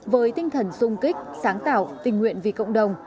với tinh thần sung kích sáng tạo tình nguyện vì cộng đồng